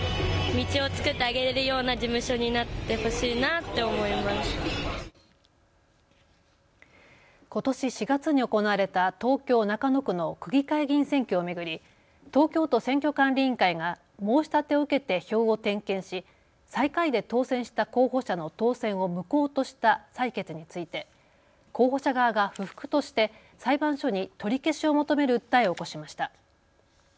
会見について街の人は。ことし４月に行われた東京中野区の区議会議員選挙を巡り東京都選挙管理委員会が申し立てを受けて票を点検し最下位で当選した候補者の当選を無効とした裁決について候補者側が不服として裁判所に取り消しを求める訴えを起こしました。